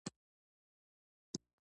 ټول پانګوال خپله بې مصرفه پانګه بانک ته وړي